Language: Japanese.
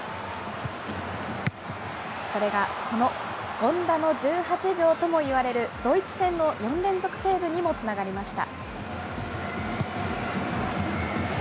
それがこの権田の１８秒ともいわれるドイツ戦の４連続セーブにもつながりました。